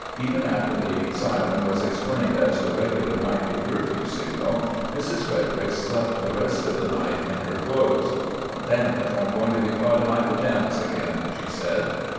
Even after the siren was explained as the regular nightly curfew signal, Mrs. Fredericks slept the rest of the night in her clothes. "I'm damned if I'm going to be caught in my pajamas again," she said.